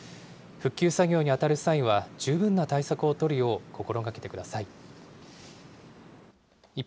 復旧作業に当たる際は十分な対策を取るよう心がけてください。